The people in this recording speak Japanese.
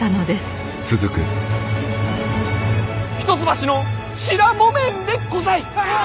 一橋の白木綿でござい！